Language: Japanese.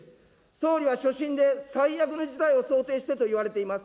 総理は所信で最悪の事態を想定してと言われています。